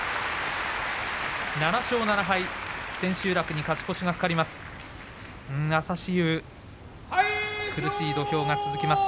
７勝７敗、千秋楽に勝ち越しが懸かります。